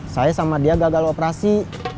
saya sama dia gagal operasi